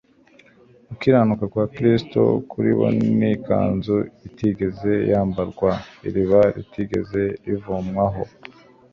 Gukiranuka kwa Kristo kuri bo ni ikanzu itigeze yambarwa, iriba ritigeze rivomwaho.